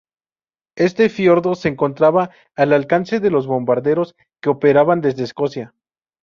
Este fiordo se encontraba al alcance de los bombarderos que operaban desde Escocia.